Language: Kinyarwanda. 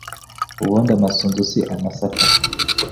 ubundi Amasunzu si amasaka .